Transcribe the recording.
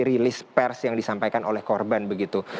rilis pers yang disampaikan oleh korban begitu